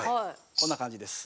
こんな感じです。